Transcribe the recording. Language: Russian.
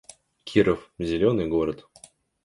Киров — зелёный город